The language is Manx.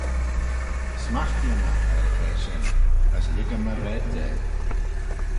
Smaghtee-ym eh er-y-fa shen, as lhiggym y raad da.